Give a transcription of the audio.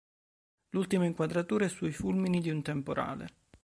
L'ultima inquadratura è sui fulmini di un temporale.